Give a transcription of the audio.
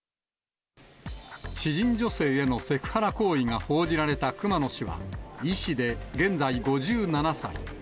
知人女性へのセクハラ行為が報じられた熊野氏は、医師で現在５７歳。